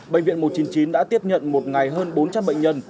bệnh viện một trăm chín mươi chín đã tiếp nhận một ngày hơn bốn trăm linh bệnh nhân